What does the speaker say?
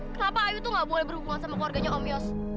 kenapa ayu tuh gak boleh berhubungan sama keluarganya om yos